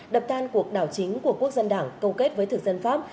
đập tan cuộc đảo chính của quốc dân đảng câu kết với thực dân pháp